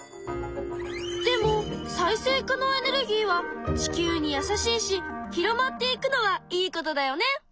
でも再生可能エネルギーは地球に優しいし広まっていくのはいいことだよね。